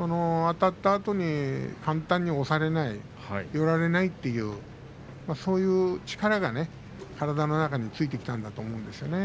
あたったあとに簡単に押されない寄られないというそういう力がね体の中についてきたんだと思うんですよね。